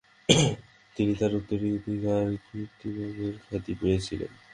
তিনি তাঁর উত্তরাধিকারে কীর্তনের খ্যাতি পেয়েছিলেন।